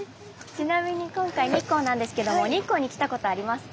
ちなみに今回日光なんですけども日光に来たことありますか？